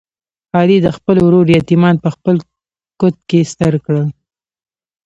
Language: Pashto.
علي د خپل ورور یتیمان په خپل کوت کې ستر کړل.